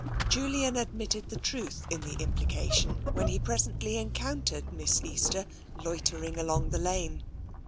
Julian admitted the truth in the implication when he presently encountered Miss Easter loitering along the lane.